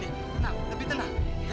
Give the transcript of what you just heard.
tenang lebih tenang